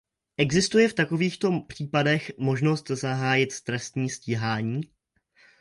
Existuje v takovýchto případech možnost zahájit trestní stíhání?